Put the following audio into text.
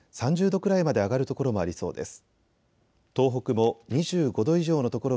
３０度くらいまで上がる所もありそうです。